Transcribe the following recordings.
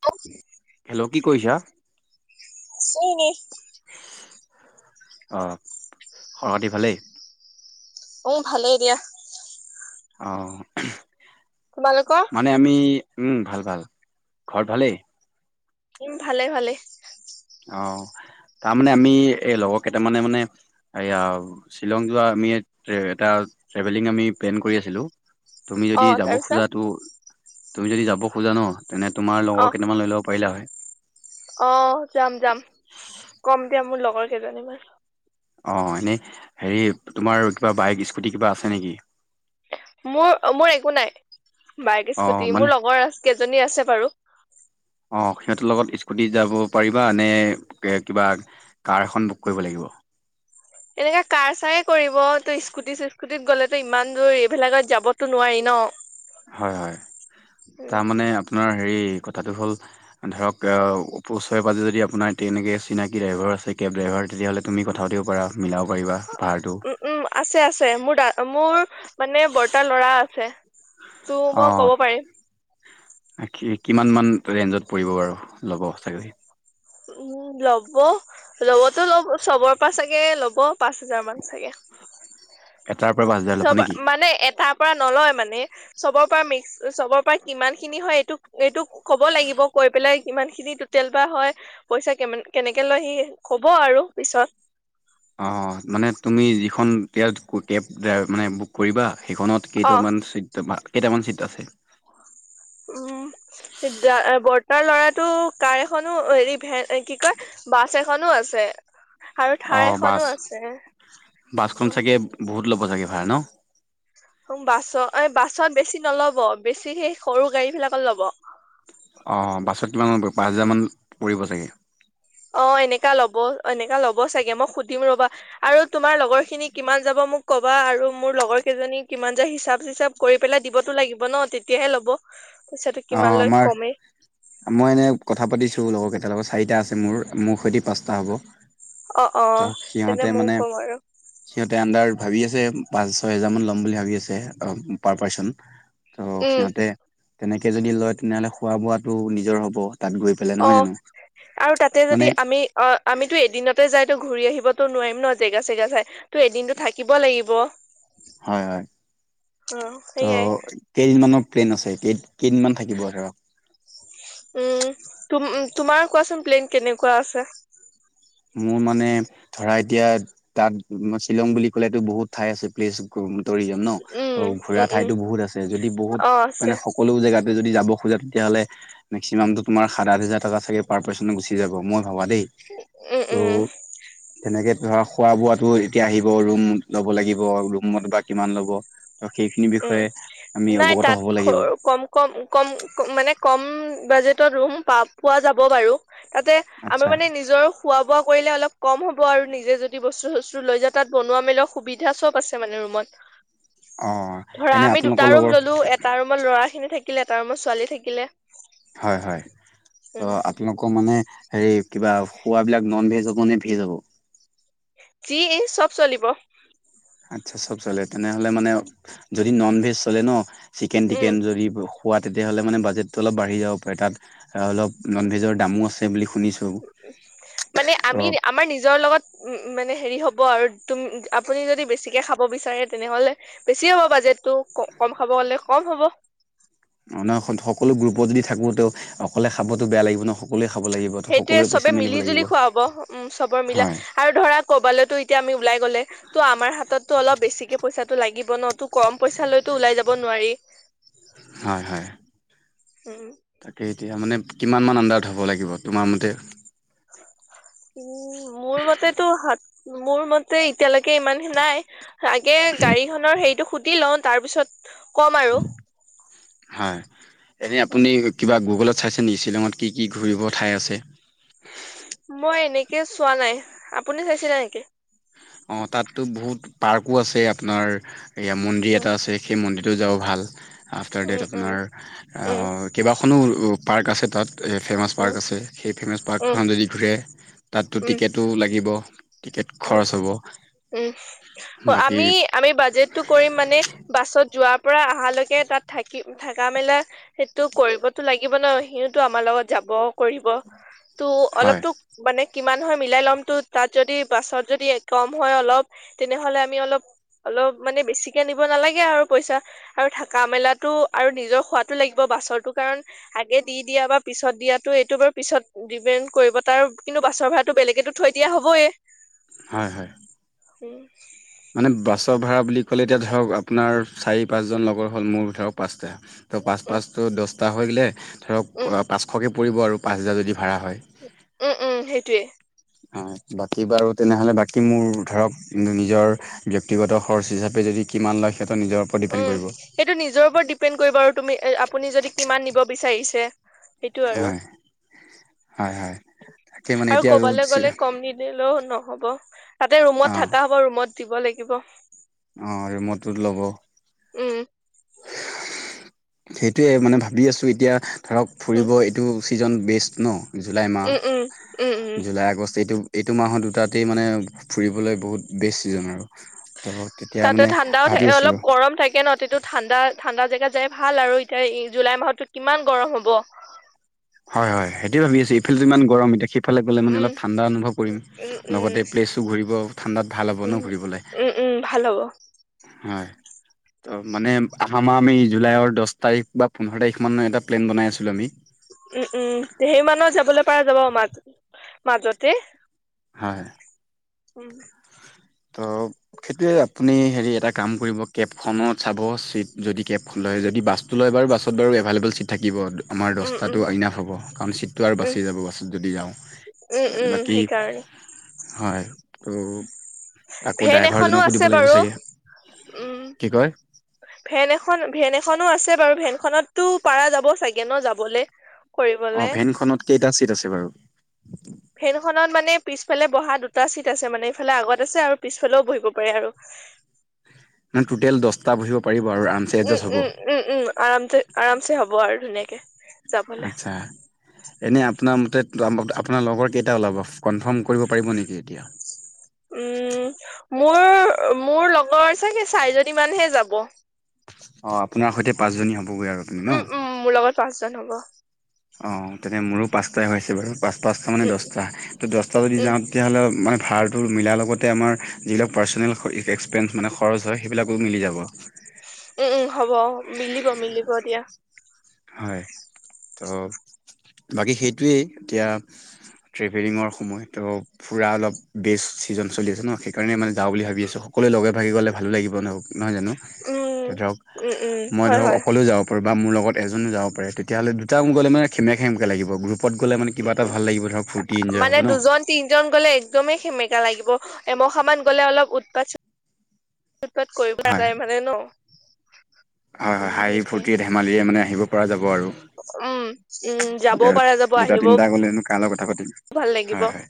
[unintelligible] Hello, কি কৰিছা? আছো, এনেই। অ', খবৰ খাতি ভালেই? অ, ভালেই দিয়া। অ, তোমালোকৰ? মানে আমি, উম, ভাল-ভাল। ঘৰত ভালেই? উম, ভালে ভালে। অ, তাৰমানে আমি, এই লগৰ কেইটামানে মানে এয়া, শ্বিলং যোৱা আমি এটা ট্ৰেভেলিং আমি প্লেন কৰি আছিলোঁ। তুমি অ যদি যাব খোজা তাৰপিছত টো, তুমি যদি যাব খোজা ন। তেনে তোমাৰ লগৰ কেইটামান লৈ ল'ব, পাৰিলা হঁয়। অঁ যাম যাম। কম দিয়া মোৰ লগৰ কেইজনীমান। অঁ, এনেই হেৰি, তোমাৰ কিবা বাইক স্কুটি, কিবা আছে নেকি? মোৰ, মোৰ একো নাই, বাইক অ', স্কুটি। মানে মোৰ লগৰ কেইজনী আছে বাৰু। অঁ, সেহঁতৰ লগত স্কুটি যাব পাৰিবা নে কিবা কাৰ এখন বুক কৰিব লাগিব? এনেকে কাৰ ছাৰে কৰিব। ত' স্কুটি চিস্কুটিত ইমান দূৰ, এইবিলাকত যাবতো নোৱাৰি ন। হঁয় হয়ঁ উম তাৰ মানে আপোনাৰ হেৰি, কথাটো হ'ল- ধৰক তেওঁ ওচৰে পাজে যদি আপোনাৰ তেনেকৈ চিনাকি ড্ৰাইভাৰ আছে কেব ড্ৰাইভাৰ তেতিয়াহ'লে- তুমি কথা পাতিব পাৰা, মিলাব পাৰিবা ভাৰাটো। উমঁ উমঁ, আছে আছে। মোৰ দা, মোৰ মানে বৰ্তটা ল'ৰা আছে। তো মই ক'ব পাৰিম। আকি কিমান মান ৰেঞ্জত পৰিব বাৰু, ল'ব ছাগৈ? উমঁ ল'ব, ল'বতো লব চবৰ পৰা চাগে, ল'ব পাঁচ হোজাৰ মান চাগে। এটাৰ পৰা পাঁচ হেজাৰ - চব, মানে এটাৰ পৰা নলয় মানে। চবৰ পৰা মিক্স, চবৰ পৰা কিমান খিনি হয়ঁ এইটো, এইটো ক'ব লাগিব, কৈ পেলাই কিমান খিনি- টোটেল বা হয়, পইচা কে কেনেকে লয়, সি ক'ব আৰু পিছত। অঁ মানে তুমি যিখন কেব কেব মানে বুক কৰিবা, সেইখনত- অ কেইটামান চিত তোমাৰ, কেইটামান চিট আছে? উমঁ, বৰ্তাৰ ল'ৰাটো কাৰ এখনো, হেৰি ভেন কি কয়- বাছ এখনো আছে, আৰু অঁ থাৰ বাছ এখনো আছে, বাছখন অঁ। চাগে বহুত ল'ব ছাগে ভাৰা ন'? বাছ, এই বাছত বেছি নল'ব, বেছি সেই সৰু গাড়ী বিলাকত ল'ব। অঁ বাছত কিমান মান, পাঁচ হোজাৰমান পৰিব চাগে? অঁ এনেকা ল'ব, এনেকা ল'ব চাগে। মই সুধিম ৰবা, আৰু তোমাৰ লগৰ খিনিক- কিমান যাব মোক ক'বা, আৰু মোৰ লগৰ কেইজনী কিমান যাই, হিচাপ চিচাব কৰি পেলাই দিবতো লাগিব ন'তেতিয়- তেতিয়াহে ল'ব, পইচাটো অঁ কিমান লয়, আমাৰ কমে। মই এনে, কথা পাতিছোঁ লগৰ কেইটা লগত, চাৰিটা আছে মোৰ, মোৰ সৈতে পাঁচটা হ'ব। অঁ ত অঁ তেন্তে সিহঁতে ময়ও মানে কম আৰু। সিহঁতে অন্দাৰ ভাবি আছে, পাঁচ ছয় হেজাৰ মান ল'ম বুলি ভাবি আছে, পাৰ পাৰ্চন। ত' উম সিহঁতে, তেনেকে যদি লয়, তেনেহলে খোৱা বোৱটো নিজৰ হব, তাত গৈ। পেলাই নহয় অঁ জানো আৰু তাতে মানে যদি আমি- অঁ আমিতো এদিনতে যাই ঘূৰি আহিবতো নোৱাৰিম ন জেগা চেগা চাই। তো, এদিনটো থাকিব লাগিব। হয়ঁ হয়ঁ সেইয়াই ত'- কেইদিনমানৰ প্লেন আছে, কেই-কেইদিনমান থাকিব ধৰা। উমঁ, তোমাৰ কোৱাচোন প্লেন কেনেকুৱা আছে? মোৰ মানে ধৰা এতিয়া তাত শ্বিলং বুলি ক'লেতো বহুত ঠাই আছে। প্লেচ খোম দৌৰি যায় ন উম ত' উম ঘুৰা উম ঠাইতো বহুত আছে যদি বহুত অ আছে মানে সকলো জেগাত- তুমি যদি যাব খোজা তেতিয়াহ'লে মেক্সিমামটো তোমাৰ সাত আঠ হাজাৰ টকা চাগে পাৰ পাৰ্চনত গুচি যাব, মই ভাবা দেই। এই এপ- অও - তেনেকে ধৰা খোৱা-বোৱাটো এতিয়া আহিব, ৰুম ল'ব লাগিব ৰুমত বা কিমান ল'ব? ত', সেইখিনি উম বিষয়ে আমি নাই তাত অৱগত হ'ব লাগিব। কম কম কম মানে কম বাজেটত ৰুম পা-পোৱা যাব বাৰু, তাতে আমি আচ্ছা মানে নিজৰ খোৱা-বোৱা কৰিলে অলপ কম হ'ব আৰু, নিজে যদি বস্তু-চস্তু লৈ যায়, তাত বনোৱা-মেলা সুবিধা চব আছে মানে ৰুমত। অ'। ধৰা এনে আমি দুটা আপোনালোকৰ ৰুম লগৰ ল'লো, এটা ৰুমত ল'ৰাখিনি থাকিলে, এটা ৰুমত ছোৱালী থাকিলে। হয় হয়, উম ত' তেনেকুৱা মানে হেৰি কিবা খোৱাবিলাক ননভেজ হ'ব নে ভেজ হ'ব? যি ই চব চলিব। আচ্ছা, চ'ব চলে তেনেহ'লে মানে যদি ননভেজ চলে ন' চিকেন উম টিকেন যদি খোৱা, তেতিয়াহ'লে মানে বাজেটটো অলপ বাঢ়ি যাব পাৰে, তাত অলপ নন ভেজৰ দামো আছে বুলি শুনিছোঁ মানে ত আমি, আমাৰ নিজৰ লগত উম, মানে হেৰি হ'ব আৰু তুম আপুনি যদি বেছিকে খাব বিচাৰে, তেনেহ'লে বেছি হ'ব বাজেটটো, ক কম খাব গ'লে কম হ'ব। অ' নহয় সকলো গ্ৰুপত যদি থাকো, ত' অকলে খাবতো বেয়া লাগিব ন'। সকলোৱে খাব লাগিব ত সেইটোয়ে, সকলোৰে পইচা চবে মিলিব লাগিব মিলি-জুলি খোৱা হ'ব, উম চবৰ মিলা হয় আৰু ধৰা ক'ৰবালৈতো এতিয়া আমি ওলাই গ'লে, ত' আমাৰ হাততো অলপ বেছিকে পইচাটো লাগিব ন'? তো কম পইচা লৈ তো ওলাই যাব নোৱাৰি। হয়, হয়। উম। তাকেই এতিয়া, মানে কিমান মান আণ্ডাৰত হ'ব লাগিব, তোমাৰ মতে? উম, মোৰ মতেতো হত মোৰ মতে এতিয়ালৈকে ইমান নাই। আগে গাড়ীখনৰ হেৰিটো সুধি লওঁ, তাৰপিছত ক'ম আৰু। হয়, এনেই আপুনি কিবা গুগলত চাইছে নেকি, শ্বিলংত কি কি ঘূৰিব ঠাই আছে? মই এনেকে চোৱা নাই, আপুনি চাইছিলে নেকি? অ', তাততো বহুত পাৰ্কো আছে আপোনাৰ, এইয়া মন্দিৰ উম এটা আছে। সেই মন্দিৰটোত যাওঁ ভাল, আফটাৰ ডেট উম আপোনাৰ উম কেইবাখনো পাৰ্ক আছে তাত, ফেমাছ পাৰ্ক উম আছে, সেই ফেমাছ উম উম পাৰ্কখন যদি ঘূৰে তাততো উম টিকেটো লাগিব, টিকেট উম খৰচ হ'ব। উম, বাকী আমি আমি বাজেটটো কৰিম মানে, বাছত যোৱাৰ পৰা আহালৈকে তাত থাকি থাকা-মেলা সেইটো কৰিবতো লাগিব ন', সিহঁতও আমাৰ লগত যাব কৰিব ত' হয় অলপতো মানে কিমান হয় মিলাই লমটো, তাত যদি পাছত যদি হয় অলপ, তেনেহ'লে আমি অলপ অলপ মানে বেছিকে নিব নেলাগে আৰু পইচা। আৰু থাকা মেলাতো আৰু নিজৰ খোৱাতো লাগিব, বাছৰটো কাৰণ আগে দি দিয়া বা পিছত দিয়াতো এইটো বাৰু পিছত ডিপেণ্ড কৰিব তাৰ কিন্তু বাছৰ ভাড়াটো বেলেগকে থৈ দিয়া হ'বই। হয়, হয়। ছে। মানে বাছৰ ভাড়া বুলি ক'লে এতিয়া ধৰক আপোনাৰ চাৰি পাঁচজন লগৰ হ'ল, মোৰ ধৰক পাঁচটা ত' পাঁচ উম পাঁচটো দছটা হৈ গ'লে ধৰক উম পাঁচশকৈ পৰিব আৰু পাঁচ হেজাৰ যদি ভাড়া হয়? উম, উম সেইটোৱেই। হয়, বাকী বাৰু তেনেহ'লে বাকী মোৰ ধৰক নিজৰ ব্যক্তিগত খৰচ হিচাপে যদি কিমান লয় সিহঁতৰ নিজৰ ওপৰত ডিপেণ্ড উম কৰিব। সেইটো নিজৰ ওপৰত ডিপেণ্ড কৰিব তুমি আপুনি যদি কিমান নিব বিচাৰিছে। সেইটো আৰু। হয় হয় হয় তাকে মানে আৰু এতিয়া ক'বলৈ গ'লে কম নি দিলো নহ'ব তাতে ৰুমত অঁ থকা হ'ব ৰুমত দিব লাগিব। অঁ' ৰুমটো ল'ব। উমঁ। সেইটোৱে মানে ভাবি আছোঁ এতিয়া ধৰক উম ফুৰিব এইটো ছিজন বেষ্ট ন'। জুলাই মাহ, উম উম উম উম জুলাই আগষ্ট এইটো- এইটো মাহত দুটাতেই মানে ফুৰিবলৈ বহুত বেষ্ট ছিজন আৰু। ত' তেতিয়া তাতে মানে ঠাণ্ডাও ভাবি থাকে আছিলোঁ। [unintelligible] থাকে ন'। টো ঠাণ্ডা, ঠাণ্ডা জেগাত যাই ভাল আৰু এতিয়া জুলাই মাহততো কিমান গৰম হ'ব। হয় হয়, সেইটোৱে ভাবি আছোঁ, এইফালেটো ইমান গৰম এতিয়া সিফালে গ'লে মানে উম অলপ ঠাণ্ডা অনুভৱ কৰিম উম উম লগতে প্লেচ- ঘূৰিব ঠাণ্ডাত ভাল হ'ব ন ঘূৰিবলৈ। উমঁ' ভাল হ'ব। হয়, ত' মানে- অহা মাহৰ আমি জুলাইৰ দহ তাৰিখ বা পোন্ধৰ তাৰিখমানত এটা প্লেন বনাই আছিলোঁ আমি। উমঁ' উমঁ' সেইমানৰ যাবলৈ পৰা যাব মাজ, মাজতে। হয় হয়। উমঁ। ত সেইটোয়ে, আপুনি হেৰি এটা কাম কৰিব কেবখনত চাব চিট যদি কেব খন লয় যদি বাছ তো লয় বাৰু বাছত বাৰু এভলেবল চিট থাকিব। আমাৰ উম উম দহটাটো আইনাফ হ'ব কাৰণ ছিটটো আৰু উম বাছি যাব বাছত যদি যাওঁ। উম তেতিয়া হ'লে উম বাকী সেইকাৰণে হয়, ত'- আকৌ ভেন এখনো ড্ৰাইভাৰজনকো দিব আছে লাগিব বাৰু চাগে উমঁ'। কি কয় ভেন এখন, ভেন এখনো আছে বাৰু ভেনখনততো পাৰা যাব চাগে ন' যাবলৈ। অঁ' ভেনখনত কেইটা চিট আছে বাৰু? ভেনখনত মানে পিছফালে বহা দুটা চিট আছে মানে ইফালে আগত আছে আৰু পিছফালেও বহিব পাৰে আৰু। মানে টোটেল দহটা বহিব পাৰিব আৰু আ উমঁ' উমঁ' উমঁ' উমঁ' আৰামছে আৰামছে হ'ব আৰু ধুনীয়াকে। যাবলে আচ্ছা'। এনে আপোনাৰ মতে আপোনাৰ লগৰ কেইটা ওলাব, কম্ফৰ্ম কৰিব পাৰিব নেকি এতিয়া? উমঁ' মোৰ মোৰ লগৰ চাগে চাৰিজনী মানহে যাব। অঁ' আপোনাৰ সৈতে পাঁচজনী হ'বগৈ আৰু আপুনি ন। উম উম মোৰ লগত পাঁচজন হ'ব। অঁ' তেনে মোৰো পাঁচটাই হৈছে বাৰু, পাঁচ-পাঁচটা মানে উম দহটা, তো দহটা যদি উম যাওঁ- তেতিয়া হ'লে মানে ভাড়াটো মিলাৰ লগতে আমাৰ যিবিলাক পাৰ্চনেল এক্সপেঞ্চ মানে খৰচ হয় সেইবিলাকো মিলি যাব। উমঁ' উমঁ' হ'ব, মিলিব মিলিব দিয়া। হয়, ত' বাকী সেইটোৱেই, এতিয়া- ট্ৰেভেলিঙৰ সময়তো- ফুৰা অলপ বেষ্ট ছিজন চলি আছে ন' সেইকাৰণে মানে যাওঁ বুলি ভাবি আছোঁ। সকলোৱে লগে ভাগে গ'লে ভালো লাগিব ন' নহয় জানোঁ। উম তে ধৰক উম উম মই হয় ধৰক হয় অকলেও যাব পাৰো বা মোৰ লগত- এজনো যাব পাৰে তেতিয়া হ'লে দুটাও গ'লে মানে খেমে খেমকৈ লাগিব, গ্ৰুপত গ'লে মানে কিবা এটা ভাল লাগিব ধৰক ফূৰ্তি- এনজয় মানে হ'ব ন দুজন তিনজন গ'লে একদমেই সেমেকা লাগিব, এমখা মান গ'লে অলপ উৎপাত পাত হয় [unintelligible] মানে ন'। হয়, হয় উম হাঁহি সেইটোয়ে ফূৰটি ধেমালিৰে মানে আহিব পৰা যাব আৰু? উম, উম যাবও দিয়ক পৰা যাব দুটা, আহিবও তিনটা গলেনো কা লৈ কথা পাতিম ভাল লাগিব হয়, হয়।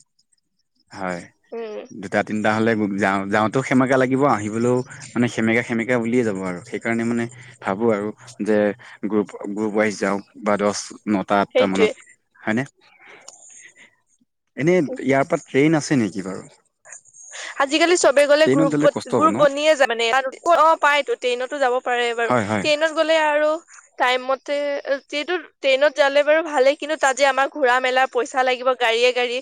হয় উম দুটা, তিনটা হলে যাওঁ-যাওঁতেও সেমেকা লাগিব আহিবলৈও মানে সেমেকা সেমেকা উলিয়ে যাব আৰু সেইকাৰণে মানে ভাবো আৰু যে গ্ৰুপ, গ্ৰুপ ৱাইজ যাও বা দচ নত টা আঠতা সেইটোয়ে মানত হয়নে। এনে ইয়াৰ পৰা ট্ৰেইন আছে নেকি বাৰু? আজিকালি চবে গ'লে ট্ৰেইনত গ্ৰুপত কষ্ট হ'ব গ্ৰুপ ন বনিয়ে যায় মানে [unintelligible] অ' পায়তো ট্ৰেইনতো যাব পাৰোঁ বাৰো হয় হয় ট্ৰেইনত গ'লে আৰু টাইম মতে [unintelligible] ট্ৰেইনত যালে বাৰু ভালেই কিন্তু তাজে আমাৰ ঘোৰা মেলা পইচা লাগিব গাড়ীয়ে, গাড়ী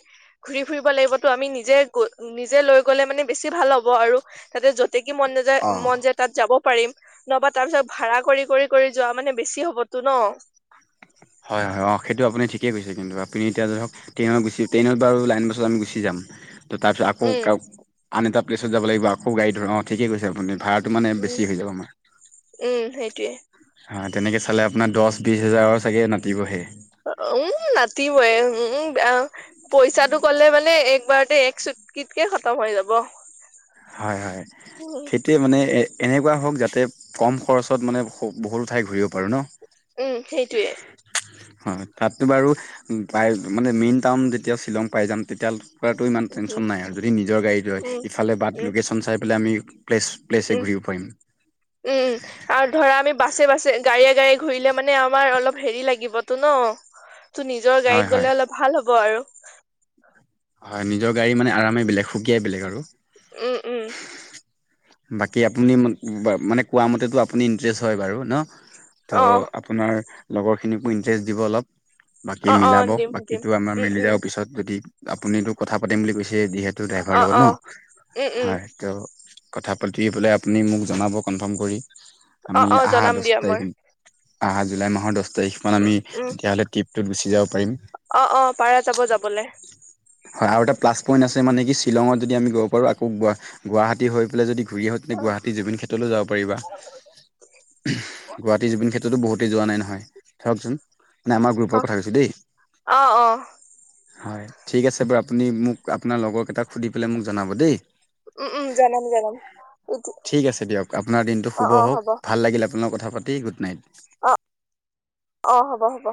ঘূৰি ফুৰিব লাগিবতো আমি নিজে গৈ নিজে লৈ গলে মানে বেছি ভাল হ'ব আৰু তাতে য'তে কি মন নাযায় অ', মন যায় তাত যাব পাৰিম নবা তাৰ পিছত ভাড়া কৰি, কৰি, কৰি যোৱা মানে বেছি হ'বতো ন'? হয়, হয় অ' সেইটো আপুনি ঠিকেই কৈছে কিন্তু আপুনি এতিয়া ধৰক টেইনত গুছি টেইনত বাৰু লাইন বাছত আমি গুচি যাম ত'তাৰপিছত উম আকৌ আন এটা প্লেছত যাব লাগিব আকৌ গাড়ী ধৰ অ' ঠিকে কৈছে আপুনি ভাড়াটো মানে বেছি হৈ যাব আমাৰ। উম, সেইটোৱে। হয় তেনেকে চালে আপোনাৰ দছ, বিছ হেজাৰৰ চাগে নাতিবহে। উম, নাতিবয়ে উম পইচাটো ক'লে মানে একবাৰতে এক চুটকিতকে খতম হৈ যাব। হয়, হয় উম সেইটোৱে মানে এ এনেকুৱা হওক যাতে কম খৰচত মানে বহু -বহুতো ঠাই ঘূৰিব পাৰোঁ ন'? উম, সেইটোয়ে। হয় তাততো বাৰু পাই মানে মেইন টাউন যেতিয়া শ্বিলং পাই যাম তেতিয়া কৰাটো ইমান উম টেনচন নাই আৰু যদি নিজৰ গাড়ীটো হয় উম ইফালে বাট উম লকেচন চাই পেলাই আমি প্লেছ, প্লেছে উম ঘূৰিব পাৰিম। উম, আৰু ধৰা আমি বাছে, বাছে গাড়ীয়ে, গাড়ীয়ে ঘূৰিলে মানে আমাৰ অলপ হেৰি লাগিবতো ন' তো নিজৰ হয় গাড়ীত হয় গ'লে অলপ ভাল হ'ব আৰু। হয় নিজৰ গাড়ী মানে আৰামেই বেলেগ, সুকীয়াই বেলেগ আৰু। উম, উম। বাকী আপুনি মান-মানে কোৱা মতেতো আপুনি ইন্টাৰেষ্ট হয় বাৰু ন' ত' অ আপোনাৰ লগৰখিনিকো ইণ্টাৰেষ্ট দিব অলপ বাকী অ অ মিলাব দিম দিম বাকীটো আমাৰ উম মিলি উম যাব পিছত। যদি আপুনিটো কথা পাতিম বুলি কৈছে যিহেতু ড্ৰাইভাৰৰ অ লগত অ ন' উম উম হয় ত' কথা পাতি বোলে আপুনি মোক জনাব কনফাৰ্ম কৰি অ আমি অ আহা জনাম দছ দিয়া মই তাৰিখ আহা জুলাই মাহৰ দছ তাৰিখমান আমি উম তেতিয়াহ'লে ট্ৰিপটোত গুচি যাব পাৰিম। অ' অ' পাৰা যাব-যাবলে। হয়, হয় আৰু এটা প্লাছ পইণ্ট আছে মানে কি শ্বিলঙত যদি আমি গব পাৰোঁ আকৌ গুৱা-গুৱাহাটী হৈ পেলাই যদি ঘূৰি আহো [unintelligible] অ গুৱাহাটী জুবিন ক্ষেত্ৰলৈ যাব পাৰিবা গুৱাহাটী জুবিন ক্ষেত ত্ৰটো বহুতেই যোৱা নাই নহয় ধৰকচোন মানে আমাৰ অ গ্ৰুপৰ কথা কৈছো দেই। অ' অ' হয় ঠিক আছে [unintelligible] আপুনি মোক আপোনাৰ লগৰকেইটাক সুধি পেলাই মোক জনাব দেই। উম, উম জনাম, জনাম। ঠিক আছে দিয়ক আপোনাৰ দিনটো অ শুভ অ হ'ব হওঁক, ভাল লাগিল আপোনাৰ কথা পাতি গুড নাইট। অ অ', হ'ব, হ'ব।